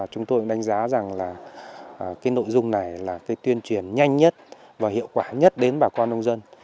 chúng tôi đánh giá rằng là cái nội dung này là cái tuyên truyền nhanh nhất và hiệu quả nhất đến bà con nông dân